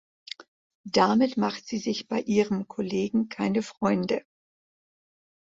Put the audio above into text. Damit macht sie sich bei ihrem Kollegen keine Freunde.